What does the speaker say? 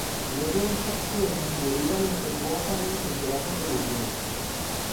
Luego de esta acción, Bolívar le otorgó a París el grado de mayor.